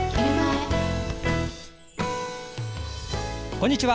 こんにちは。